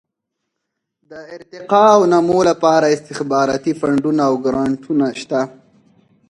د ارتقاء او نمو لپاره استخباراتي فنډونه او ګرانټونه شته.